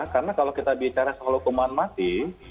karena kalau kita bicara soal hukuman mati